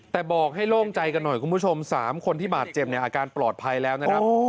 แต่บอกให้โล่งใจกันหน่อยคุณผู้ชม๓คนที่บาดเจ็บเนี่ยอาการปลอดภัยแล้วนะครับ